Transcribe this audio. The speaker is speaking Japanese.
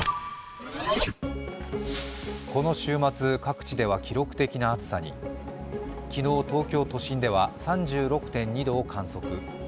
この週末、各地では記録的な暑さに昨日東京都心では３６．２度を観測。